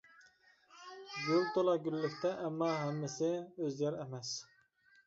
گۈل تولا گۈللۈكتە، ئەمما ھەممىسى ئۆز يار ئەمەس.